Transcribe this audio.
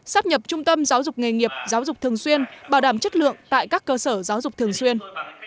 sát nhập trung tâm giáo dục nghề nghiệp giáo dục thường xuyên bảo đảm chất lượng tại các cơ sở giáo dục thường xuyên